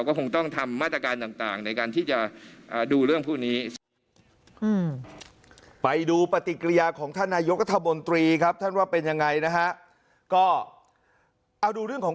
ก็เอาดูเรื่องของการกลายพันธุ์ก่อน